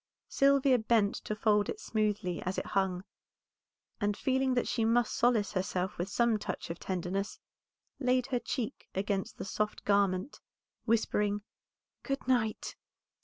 Sylvia bent to fold it smoothly as it hung, and feeling that she must solace herself with some touch of tenderness, laid her cheek against the soft garment, whispering "Good night."